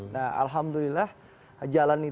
nah alhamdulillah jalan